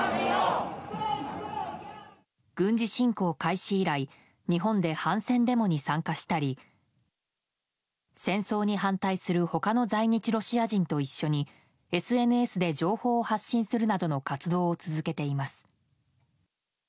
軍事侵攻開始以来日本で反戦デモに参加したり戦争に反対する他の在日ロシア人と一緒にＳＮＳで情報を発信するなどの活動を続けています。